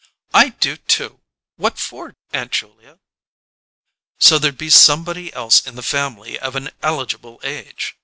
"I do, too! What for, Aunt Julia?" "So there'd be somebody else in the family of an eligible age.